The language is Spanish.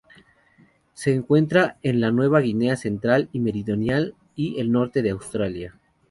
Se encuentra en la Nueva Guinea central y meridional y el norte de Australia.